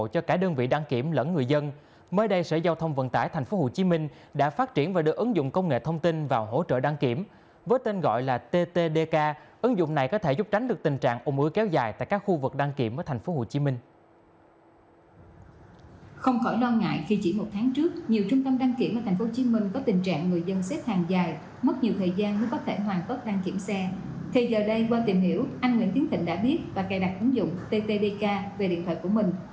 thì giờ đây qua tìm hiểu anh nguyễn tiến thịnh đã biết và cài đặt ứng dụng ttdk về điện thoại của mình